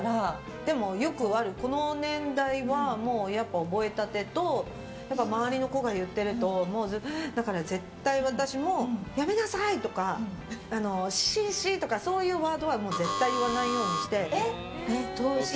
でもよくあるこの年代は覚えたてと周りの子が言ってると絶対私もやめなさいとかしー、しーとかそういうワードは絶対言わないようにして。